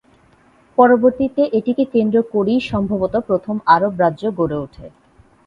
পরবর্তীতে এটিকে কেন্দ্র করেই সম্ভবত প্রথম আরব রাজ্য গড়ে উঠে।